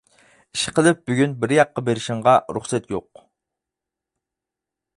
ئىشقىلىپ بۈگۈن بىر ياققا بېرىشىڭغا رۇخسەت يوق.